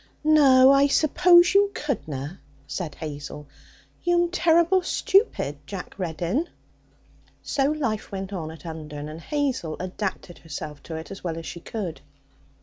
'No. I suppose you couldna,' said Hazel; 'you'm terrible stupid, Jack Reddin!' So life went on at Undern, and Hazel adapted herself to it as well as she could.